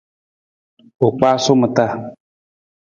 U kpaasu ma taa.